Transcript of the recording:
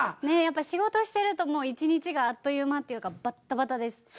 ねっやっぱ仕事してると１日があっという間というかバッタバタです。